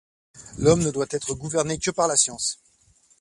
L’homme ne doit être gouverné que par la science.